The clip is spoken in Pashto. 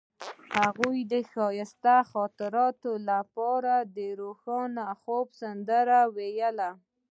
هغې د ښایسته خاطرو لپاره د روښانه خوب سندره ویله.